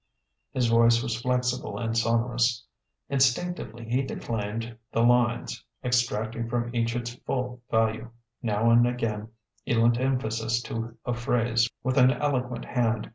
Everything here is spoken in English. His voice was flexible and sonorous; instinctively he declaimed the lines, extracting from each its full value. Now and again he lent emphasis to a phrase with an eloquent hand.